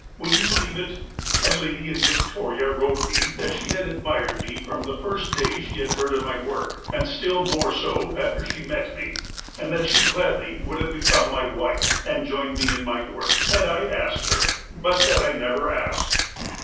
Would you believe it ? A lady in Victoria wrote me that she had admired me from the first day she had heard of my work, and still more so after she met me, and that she would gladly have become my wife, and joined me in my work, had I asked her. But that I had never asked.